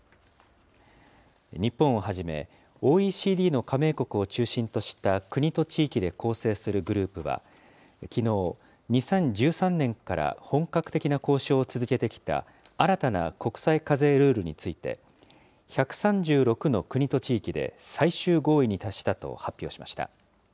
日本をはじめ、ＯＥＣＤの加盟国を中心とした国と地域で構成するグループは、きのう、２０１３年から本格的な交渉を続けてきた新たな国際課税ルールについて、１３６の国と地域で最終合意に達したと発表しました。